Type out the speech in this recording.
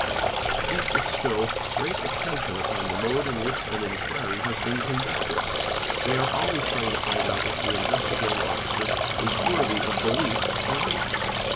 These bestow great attention upon the mode in which m inquiry has been conducted, they are always trying to find out if he Investigating Officer is worthy of belief or not.